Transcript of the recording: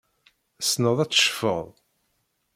Tessneḍ ad tecfeḍ?